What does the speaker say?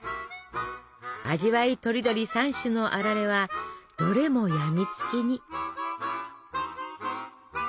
味わいとりどり３種のあられはどれも病みつきに。